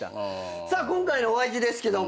さあ今回のお相手ですけども。